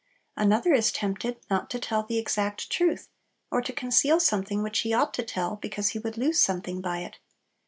Another is tempted not to tell the exact truth, or to conceal something which he ought to tell, because he would lose something by it.